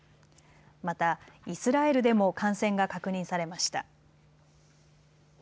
また、イスラエルでも感染が確認されました。